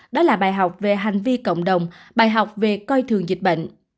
đó là bài học về hành vi cộng đồng bài học về coi thường dịch bệnh